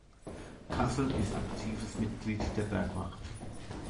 Graßl ist aktives Mitglied der Bergwacht.